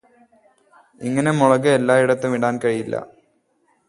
ഇങ്ങനെ മുളക് എല്ലായിടത്തും ഇടാൻ കഴിയില്ലാ